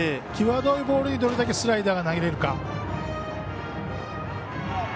際どいボールにどれだけスライダーが投げられるか。